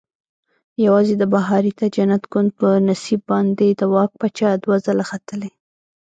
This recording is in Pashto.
یوازې د بهاریته جنت ګوند په نصیب باندې د واک پچه دوه ځله ختلې.